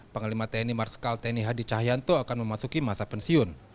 panglima tni marsikal tni hadi cahyanto akan memasuki masa pensiun